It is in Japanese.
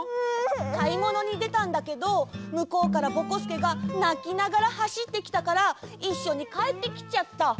かいものにでたんだけどむこうからぼこすけがなきながらはしってきたからいっしょにかえってきちゃった。